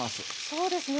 そうですね。